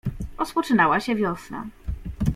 "Rozpoczynała się wiosna."